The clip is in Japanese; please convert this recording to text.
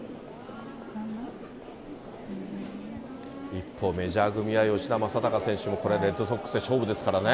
一方、メジャー組は、吉田正尚選手もこれ、レッドソックスで勝負ですからね。